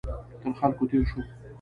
تر خلکو تېر شو.